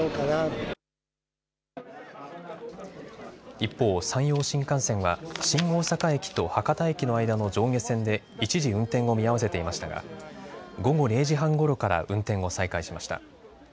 一方、山陽新幹線は新大阪駅と博多駅の間の上下線で一時運転を見合わせていましたが午後０時半ごろから運転を再開しました。